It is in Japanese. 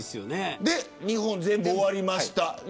それで日本が全部終わりました。